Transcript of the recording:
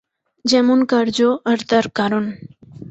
যেমন কার্য আর তার কারণ।